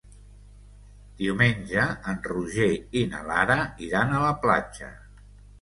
Diumenge en Roger i na Lara iran a la platja.